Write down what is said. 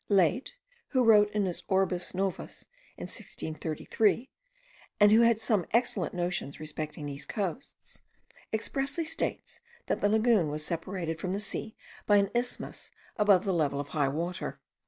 Laet, who wrote his Orbis Novus in 1633, and who had some excellent notions respecting these coasts, expressly states, that the lagoon was separated from the sea by an isthmus above the level of high water.